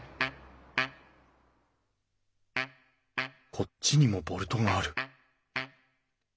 こっちにもボルトがある！